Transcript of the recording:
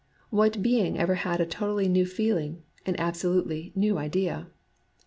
What being ever had a totally new feel ing, an absolutely new idea?